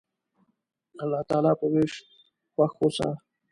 د الله تعالی په ویش خوښ اوسه.